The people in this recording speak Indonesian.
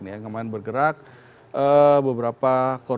yang kemarin bergerak beberapa korban